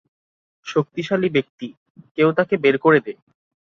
শক্তিশালী ব্যাক্তি - কেউ তাকে বের করে দে!